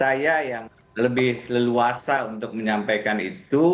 saya yang lebih leluasa untuk menyampaikan itu